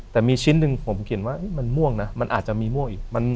แต่มีชิ้นหนึ่งผมเขียนว่ามันม่วงนะมันอาจจะมีม่วงอีก